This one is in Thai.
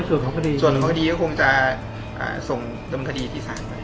ส่วนข้อมูลคือดีก็คงจะส่งทำคดีที่สาร